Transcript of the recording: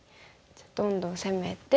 じゃあどんどん攻めて。